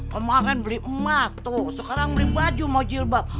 kemarin beli emas tuh sekarang beli baju mau jilbab